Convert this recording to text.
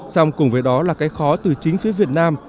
xong cùng với đó là cái khó từ chính phía việt nam